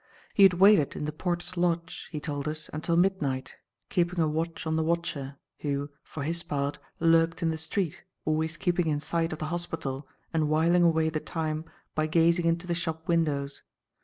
He had waited in the porter's lodge, he told us, until midnight keeping a watch on the watcher, who, for his part, lurked in the street, always keeping in sight of the hospital, and whiling away the time by gazing into the shop windows.